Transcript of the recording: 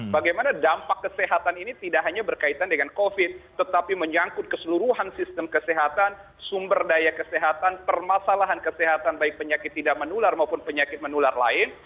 bagaimana dampak kesehatan ini tidak hanya berkaitan dengan covid tetapi menyangkut keseluruhan sistem kesehatan sumber daya kesehatan permasalahan kesehatan baik penyakit tidak menular maupun penyakit menular lain